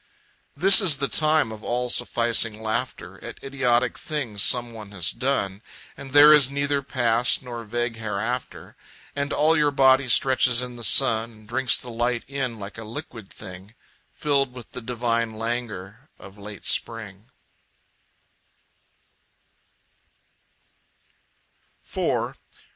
This is the time of all sufficing laughter At idiotic things some one has done, And there is neither past nor vague hereafter. And all your body stretches in the sun And drinks the light in like a liquid thing; Filled with the divine languor of late spring.